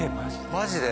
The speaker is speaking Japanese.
マジで？